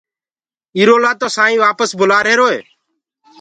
ايٚرو لآ تو سآئينٚ وآپس بلآ هيروئي